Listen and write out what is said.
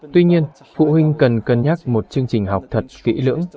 tuy nhiên phụ huynh cần cân nhắc một chương trình học thật kỹ lưỡng